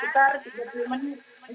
kalau dari keputusan jendang